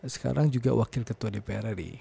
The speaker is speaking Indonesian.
sekarang juga wakil ketua dprd